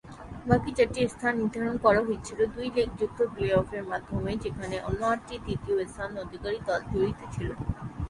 বাকি চারটি স্থান নির্ধারণ করা হয়েছিল দুই-লেগযুক্ত প্লে-অফের মাধ্যমে, যেখানে অন্য আটটি তৃতীয় স্থান অধিকারী দল জড়িত ছিল।